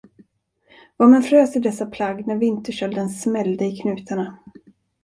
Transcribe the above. Vad man frös i dessa plagg när vinterkölden smällde i knutarna!